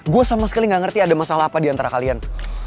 gue sama sekali gak ngerti ada masalah apa diantara kalian